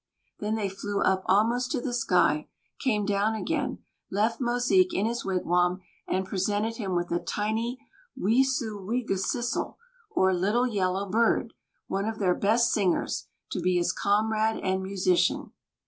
Then they flew up almost to the sky, came down again, left Mosique in his wigwam and presented him with a tiny Wīsūwīgesisl, or Little Yellow Bird, one of their best singers, to be his comrade and musician.